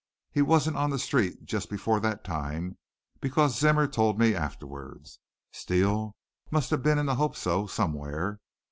He wasn't on the street just before that time, because Zimmer told me afterward. Steele must have been in the Hope So somewhere.